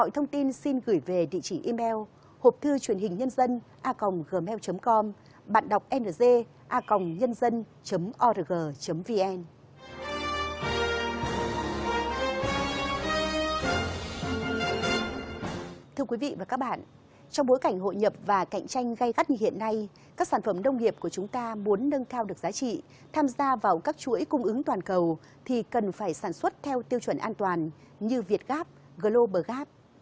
thưa quý vị và các bạn trong bối cảnh hội nhập và cạnh tranh gây gắt như hiện nay các sản phẩm đông nghiệp của chúng ta muốn nâng cao được giá trị tham gia vào các chuỗi cung ứng toàn cầu thì cần phải sản xuất theo tiêu chuẩn an toàn như việt gap global gap